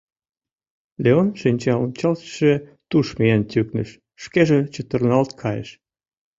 Леон шинчаончалтышыже туш миен тӱкныш, шкеже чытырналт кайыш.